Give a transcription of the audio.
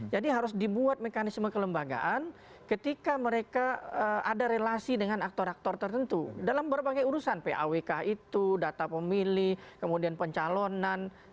jadi harus dibuat mekanisme kelembagaan ketika mereka ada relasi dengan aktor aktor tertentu dalam berbagai urusan pawk itu data pemilih kemudian pencalonan